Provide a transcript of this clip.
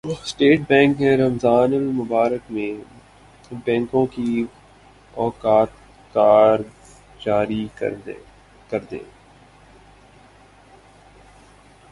state bank نے رمضان المبارک میں بینکوں کے اوقات کار جاری کردیے